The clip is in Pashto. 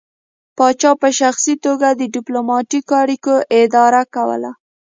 پاچا په شخصي توګه د ډیپلوماتیکو اړیکو اداره کوله